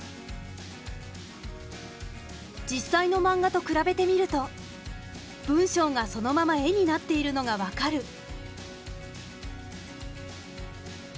実際のマンガと比べてみると文章がそのまま絵になっているのが分かる。